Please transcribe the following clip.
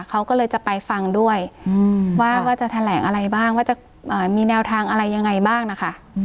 เขาก็เลยจะไปฟังด้วยว่าจะแถลงอะไรบ้างว่าจะมีแนวทางอะไรยังไงบ้างนะคะ